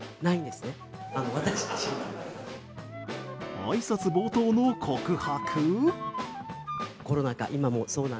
あいさつ冒頭の告白？